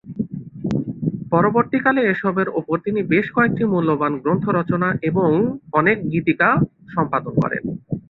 পরবর্তীকালে এসবের ওপর তিনি বেশ কয়েকটি মূল্যবান গ্রন্থ রচনা এবং অনেক গীতিকা সম্পাদনা করেন।